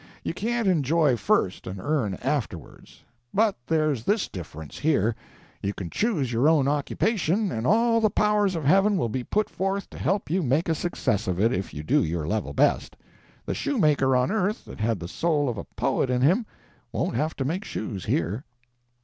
You can't enjoy first and earn afterwards. But there's this difference, here: you can choose your own occupation, and all the powers of heaven will be put forth to help you make a success of it, if you do your level best. The shoemaker on earth that had the soul of a poet in him won't have to make shoes here."